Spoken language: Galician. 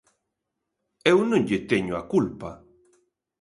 Eu non lle teño a culpa.